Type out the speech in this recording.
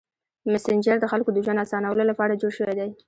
مسېنجر د خلکو د ژوند اسانولو لپاره جوړ شوی دی.